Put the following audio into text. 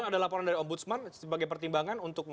ada laporan dari om busman sebagai pertimbangan untuk